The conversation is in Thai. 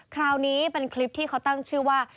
คราวนี้เป็นคลิปที่เขาตั้งชื่อว่า